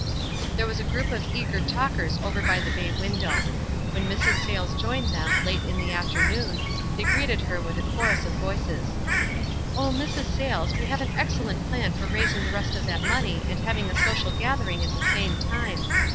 There was a group of eager talkers over by the bay window. When Mrs. Sayles joined them, late in the afternoon, they greeted her with £ chorus of voices. "O Mrs. Sayles, we have an excellent plan for raising the rest of that money and having a social gathering at the same time.